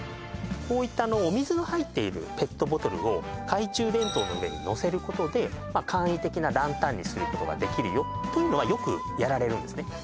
こういったお水の入っているペットボトルを懐中電灯の上に載せることで簡易的なランタンにすることができるよというのはよくやられるんですね